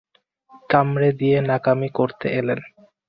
কামড়ে দিয়ে নাকামি করতে এলেন।